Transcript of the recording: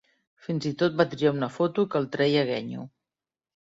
Fins i tot va triar una foto que el treia guenyo.